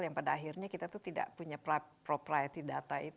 yang pada akhirnya kita tuh tidak punya properti data itu